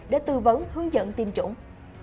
để tư vấn hướng dẫn tiêm chủng